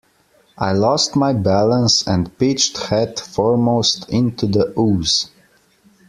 I lost my balance and pitched head foremost into the ooze.